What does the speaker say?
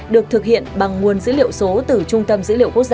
được thực hiện bằng nguồn dữ liệu số từ trung tâm dữ liệu quốc gia